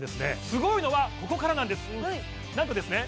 すごいのはここからなんですなんとですね